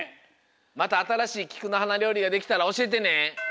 またあたらしいきくのはなりょうりができたらおしえてね！